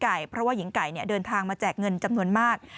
เพราะว่าหญิงไก่เดินทางมาแจกเงินจำนวนมาก